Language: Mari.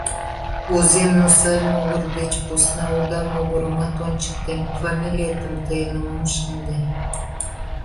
— Возем, но сай могыр деч посна уда могырымат ончыктем, фамилиетым тыйыным ом шынде...